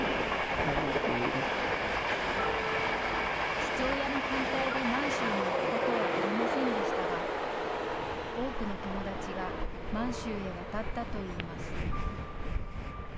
父親の反対で満州に行くことはありませんでしたが、多くの友達が満州へ渡ったといいます。